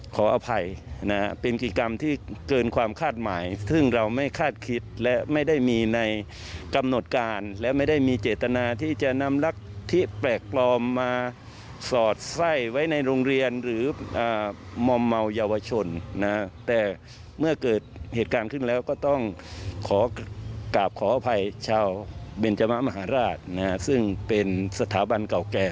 ขอกลับขออภัยเช้าเบญจมะมหาราชซึ่งเป็นสถาบันเก่าแก่